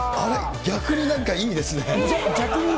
逆にいいですよね。